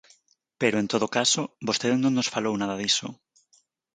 Pero, en todo caso, vostede non nos falou nada diso.